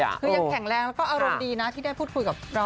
คือยังแข็งแรงแล้วก็อารมณ์ดีนะที่ได้พูดคุยกับเรา